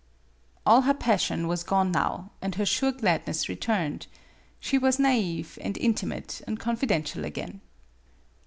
All her passion was gone now, and her sure gladness returned. She was nai've and intimate and confidential again.